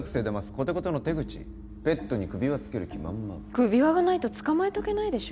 コテコテの手口ペットに首輪つける気満々首輪がないとつかまえとけないでしょ